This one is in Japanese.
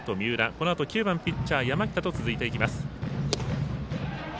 このあと９番ピッチャーの山北と続いていきます。